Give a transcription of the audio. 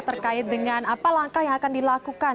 terkait dengan apa langkah yang akan dilakukan